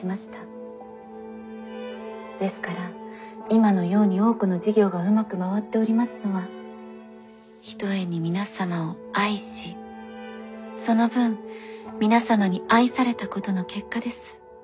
ですから今のように多くの事業がうまく回っておりますのはひとえに皆様を愛しその分皆様に愛されたことの結果です。